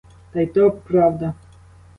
Та й то правда.